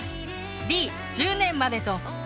Ｄ「１０年まで」とＥ